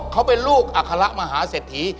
อ๋อเขาเป็นลูกอาคาระมหาเสธี